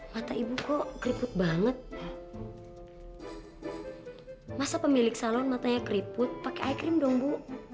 mata ibu kok keriput banget masa pemilik salon matanya keriput pakai ice cream dong bu